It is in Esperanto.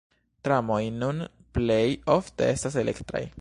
Tramoj nun plej ofte estas elektraj.